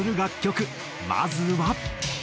まずは。